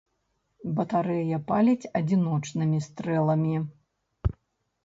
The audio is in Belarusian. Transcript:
Батарэя паліць адзіночнымі стрэламі.